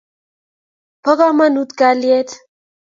po komonut kalyet